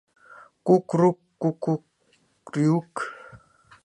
— Ку-крук-ку-ку-рӱ-ык!